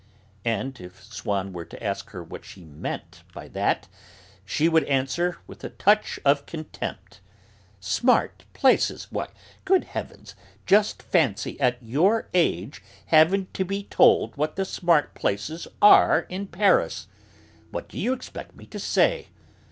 And if Swann were to ask her what she meant by that, she would answer, with a touch of contempt, "Smart places! Why, good heavens, just fancy, at your age, having to be told what the smart places are in Paris! What do you expect me to say?